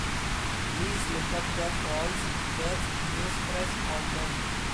Please look up the Falls Church News-Press album.